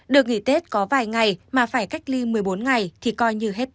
được nghỉ tết có vài ngày mà phải cách ly một mươi bốn ngày thì coi như hết